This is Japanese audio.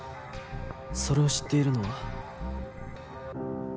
それを知っているのは。